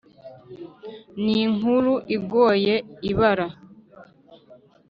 ni inkuru igoye ibara.